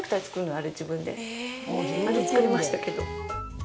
あれ作りましたけど。